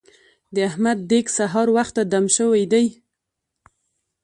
د احمد دېګ سهار وخته دم شوی دی.